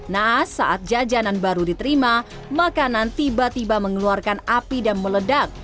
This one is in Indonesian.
nah saat jajanan baru diterima makanan tiba tiba mengeluarkan api dan meledak